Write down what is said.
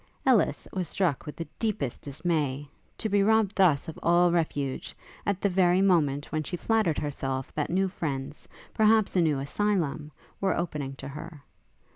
Ellis was struck with the deepest dismay, to be robbed thus of all refuge, at the very moment when she flattered herself that new friends, perhaps a new asylum, were opening to her.